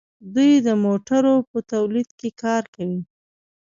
دوی د موټرو په تولید کې کار کوي.